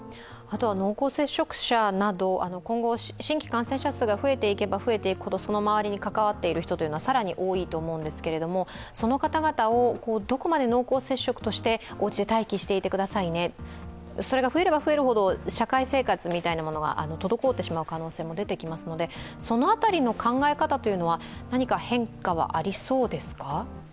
濃厚接触者など今後、新規感染者数が増えていけば増えていくほど、周りに関わっている人は更に多いと思うんですけれどもその方々をどこまで濃厚接触としておうちで待機していてくださいね、それが増えれば増えるほど、社会生活みたいなものが滞ってしまう可能性もありますのでその辺りの考え方というのは何か変化はありそうですか？